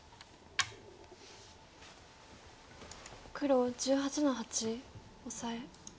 黒１８の八オサエ。